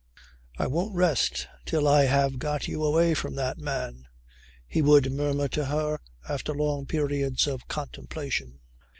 "I won't rest till I have got you away from that man," he would murmur to her after long periods of contemplation.